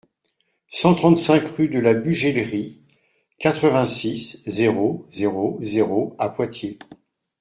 cent trente-cinq rue de la Bugellerie, quatre-vingt-six, zéro zéro zéro à Poitiers